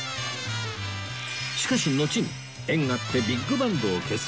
しかしのちに縁あってビッグバンドを結成